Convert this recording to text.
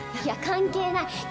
いや関係ない。